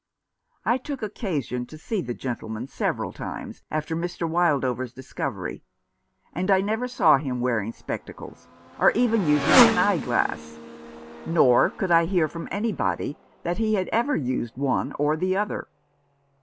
I took occasion to see the gentle man several times after Mr. Wildover's discovery, and I never saw him wearing spectacles, or even using an eye glass ; nor could I hear from anybody that he had ever used one or the other.